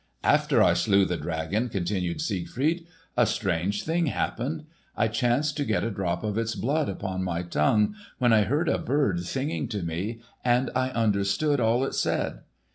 "After I slew the dragon," continued Siegfried, "a strange thing happened. I chanced to get a drop of its blood upon my tongue, when I heard a bird singing to me and I understood all it said.